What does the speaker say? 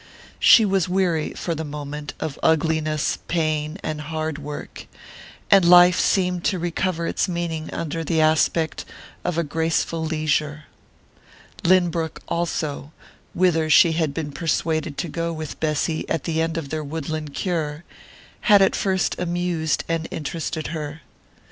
She was weary, for the moment, of ugliness, pain and hard work, and life seemed to recover its meaning under the aspect of a graceful leisure. Lynbrook also, whither she had been persuaded to go with Bessy at the end of their woodland cure, had at first amused and interested her.